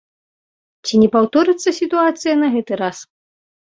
Ці не паўторыцца сітуацыя на гэты раз?